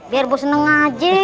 biar bos seneng aja